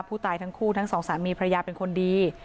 ผู้ตายทั้งคู่ทั้งสองสามีพระยาเป็นคนดี